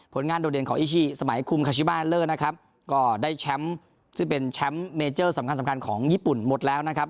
งานโดดเด่นของอิชิสมัยคุมคาชิบาลเลอร์นะครับก็ได้แชมป์ซึ่งเป็นแชมป์เมเจอร์สำคัญสำคัญของญี่ปุ่นหมดแล้วนะครับ